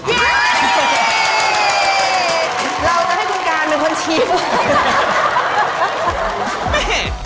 เราจะให้ช่วยคุณกานเป็นคนชีม